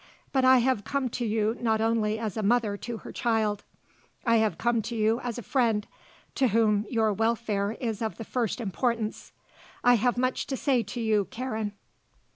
But I have come to you not only as a mother to her child. I have come to you as a friend to whom your welfare is of the first importance. I have much to say to you, Karen."